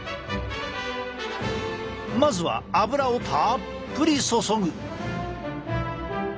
まずは油をたっぷり注ぐ。